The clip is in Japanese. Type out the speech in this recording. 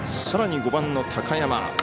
さらに５番の高山。